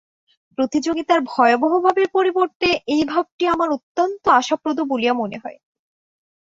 প্রতিযোগিতার ভয়াবহ ভাবের পরিবর্তে এই ভাবটি আমার অত্যন্ত আশাপ্রদ বলিয়া মনে হয়।